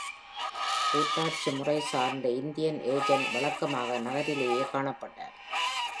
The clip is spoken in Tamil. கூட்டாட்சி முறை சார்ந்த இந்தியன் ஏஜென்ட் வழக்கமாக நகரிலேயே காணப்பட்டார்.